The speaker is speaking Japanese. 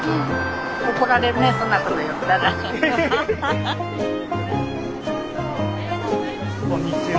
こんにちは。